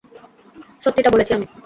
সত্যিটা বলেছি আমি।